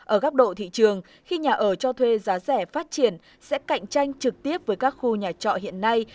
ở góc độ thị trường khi nhà ở cho thuê giá rẻ phát triển sẽ cạnh tranh trực tiếp với các khu nhà trọ hiện nay